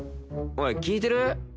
おい聞いてる？